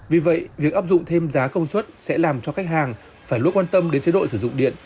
vì vậy việc áp dụng thêm giá công suất sẽ làm cho khách hàng phải luôn quan tâm đến chế độ sử dụng điện